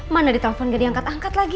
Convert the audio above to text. mana ditelepon gak diangkat angkat lagi